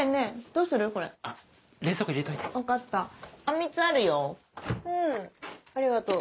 うんありがとう。